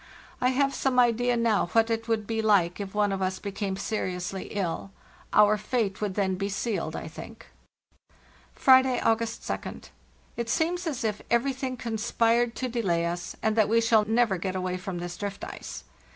I have some idea now what it would be like if one of us became seriously ill. Our fate would then be sealed, I think. "Friday, August 2d. It seems as if everything con spired to delay us, and that we shall never get away from this drift ice.